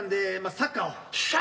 サッカー！